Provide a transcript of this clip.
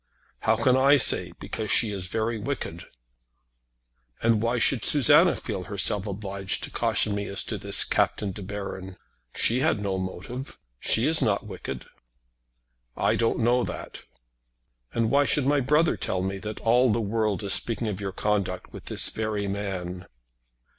"How can I say? Because she is very wicked." "And why should Susanna feel herself obliged to caution me as to this Captain De Baron? She had no motive. She is not wicked." "I don't know that." "And why should my brother tell me that all the world is speaking of your conduct with this very man?"